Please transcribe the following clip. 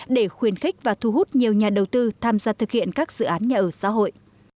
để khuyên khích và thu hút nhiều nhà đầu tư tham gia thực hiện các dự án nhà ở xã hội